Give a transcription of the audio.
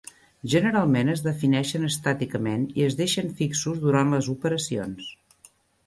Generalment es defineixen estàticament i es deixen fixos durant les operacions.